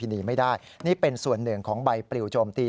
นี่เป็นส่วนหนึ่งของใบปลิวโจมตี